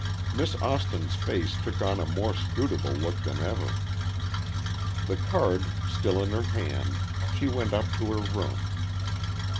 Miss Austin's face took on a more scrutable look than ever. The card still in her hand, she went up to her room.